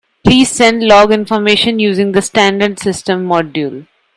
Please send log information using the standard system module.